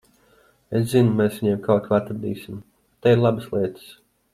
Es zinu, mēs viņiem kaut ko atradīsim. Te ir labas lietas.